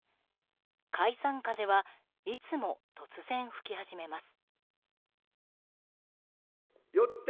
解散風はいつも突然吹き始めます。